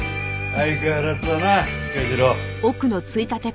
相変わらずだな彦次郎。